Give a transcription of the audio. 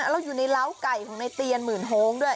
แล้วอยู่ในร้าวไก่ของในเตียนหมื่นโฮงด้วย